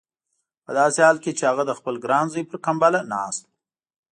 په داسې حال کې چې هغه د خپل ګران زوی پر کمبله ناست و.